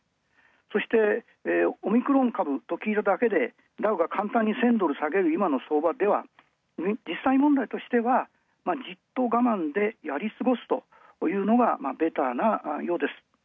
そしてオミクロン株と聞いただけでダウが簡単に１０００ドル下げる今の相場では、実際問題としてはじっと我慢でやり過ごすというのがベターなようです。